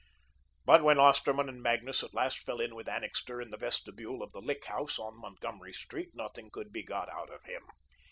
But when Osterman and Magnus at last fell in with Annixter in the vestibule of the Lick House, on Montgomery Street, nothing could be got out of him.